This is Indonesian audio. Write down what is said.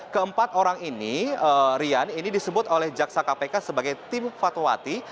keempat orang ini rian ini disebut oleh jaksa kpk sebagai tim fatwati